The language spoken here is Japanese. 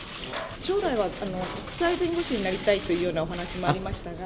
将来は国際弁護士になりたいというようなお話もありましたが。